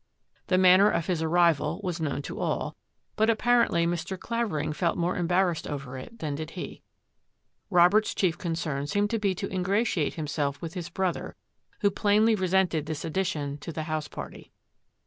The manner of his arrival was known to all, but apparently Mr. Clavering felt more embarrassed over it than did he. Robert's chief concern seemed to be to ingratiate himself with his brother, who plainly resented this addition to the house party.